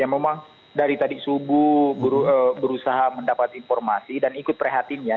yang memang dari tadi subuh berusaha mendapat informasi dan ikut perhatian ya